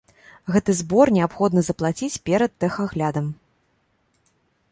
Гэты збор неабходна заплаціць перад тэхаглядам.